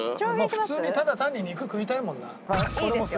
普通にただ単に肉食いたいもんな。いいですよ。